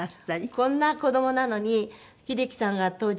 こんな子どもなのに秀樹さんが当時。